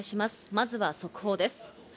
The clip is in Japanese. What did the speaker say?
まずは速報です。